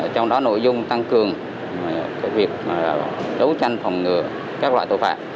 trong đó nội dung tăng cường việc đấu tranh phòng ngừa các loại tội phạm